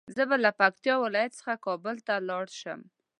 زه به له پکتيا ولايت څخه کابل ته لاړ شم